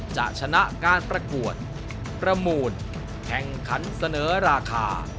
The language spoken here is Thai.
จะชนะการประกวดประมูลแข่งขันเสนอราคา